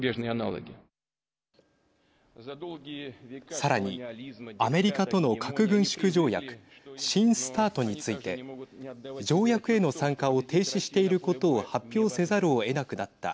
さらにアメリカとの核軍縮条約新ＳＴＡＲＴについて条約への参加を停止していることを発表せざるをえなくなった。